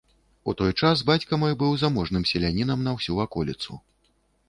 У той час бацька мой быў заможным селянінам на ўсю ваколіцу.